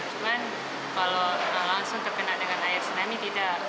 cuman kalau langsung terkena dengan air tsunami tidak